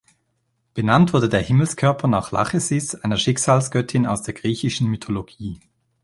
Benannt wurde der Himmelskörper nach Lachesis, einer Schicksalsgöttin aus der griechischen Mythologie.